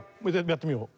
やってみよう。